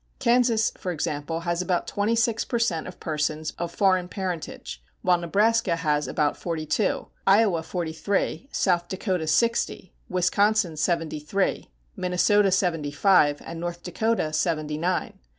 Kansas, for example, has about twenty six per cent of persons of foreign parentage, while Nebraska has about forty two, Iowa forty three, South Dakota sixty, Wisconsin seventy three, Minnesota seventy five, and North Dakota seventy nine.